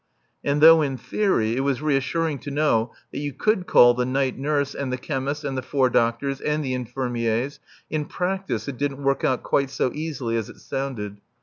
And though in theory it was reassuring to know that you could call the night nurse and the chemist and the four doctors and the infirmiers, in practice it didn't work out quite so easily as it sounded.